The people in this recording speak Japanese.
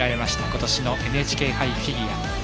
今年のＮＨＫ杯フィギュア。